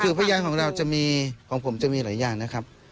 คือพยานของเราจะมีของผมจะมีหลายอย่างนะครับ